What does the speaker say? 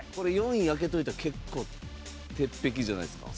４位開けておいたら結構鉄壁じゃないですか？